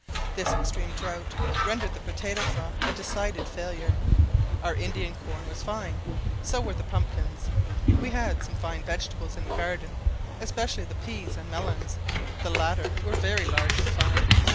This extreme drought rendered the potatoe crop a decided failure. Our Indian corn was very fine; so were the pumpkins. We had some fine vegetables in the garden, especially the peas and melons; the latter were very large and fine.